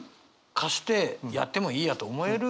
貸してやってもいいやと思える。